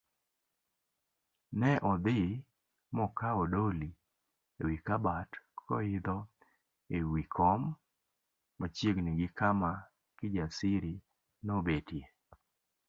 Ne odhi mokawo doli ewi kabat koidho ewi kom machiegni gi kama Kijasiri nobetie.